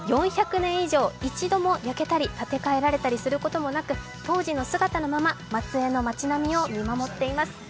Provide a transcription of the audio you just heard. ４００年以上、一度も焼けたり立て替えたりされることなく当時の姿のまま松江の町並みを見守っています。